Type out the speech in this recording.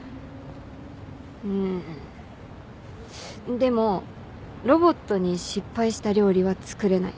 でもロボットに失敗した料理は作れない。